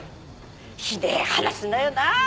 ひでえ話だよな。